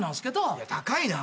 いや高いな。